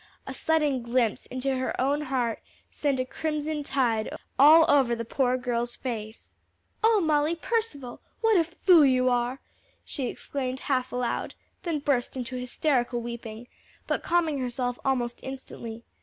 A sudden glimpse into her own heart sent a crimson tide all over the poor girl's face. "O Molly Percival, what a fool you are!" she exclaimed half aloud, then burst into hysterical weeping; but calming herself almost instantly.